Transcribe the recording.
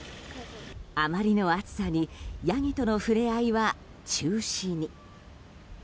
あまりの暑さにヤギとのふれあいは中止に。